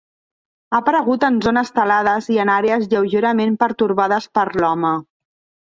Ha aparegut en zones talades i en àrees lleugerament pertorbades per l'home.